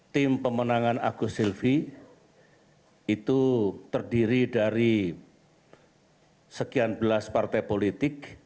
tim pemenangan agus silvi itu terdiri dari sekian belas partai politik